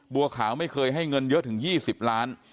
บัวขาวไม่เคยให้เงินเยอะถึง๒๐ล้าน